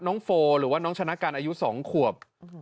น้องโฟร์หรือว่าน้องชนกรรมอายุสองขวบ